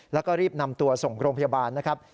แล้วก็รีบนำตัวส่งโรงพยาบาลนะครับ